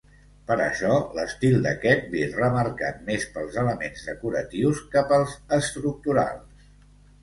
Per això l'estil d'aquest ve remarcat més pels elements decoratius que pels estructurals.